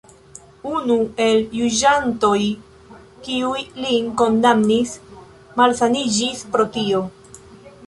Unu el juĝantoj, kiuj lin kondamnis, malsaniĝis pro tio.